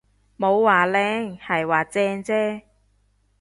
冇話靚，係話正啫